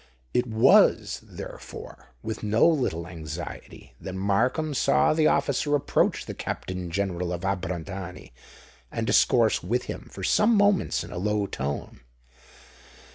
It was, therefore, with no little anxiety that Markham saw the officer approach the Captain General of Abrantani, and discourse with him for some moments in a low tone.